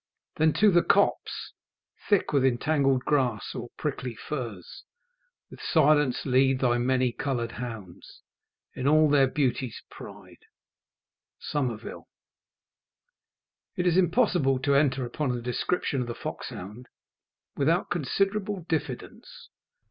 Then to the copse Thick with entangled grass, or prickly furze, With silence lead thy many coloured hounds In all their beauty's pride." SOMERVILLE. It is impossible to enter upon a description of the foxhound without considerable diffidence.